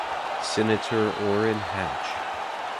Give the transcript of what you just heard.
Senator Orrin Hatch.